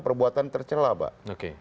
perbuatan tercelak pak